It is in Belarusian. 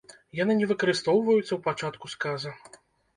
Яны не выкарыстоўваюцца ў пачатку сказа.